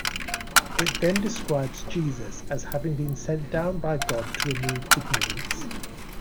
It then describes Jesus as having been sent down by God to remove ignorance.